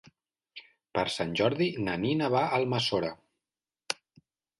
Per Sant Jordi na Nina va a Almassora.